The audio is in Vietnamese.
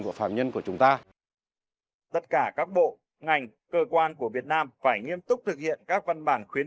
của chúng ta tất cả các bộ ngành cơ quan của việt nam phải nghiêm túc thực hiện các văn bản khuyến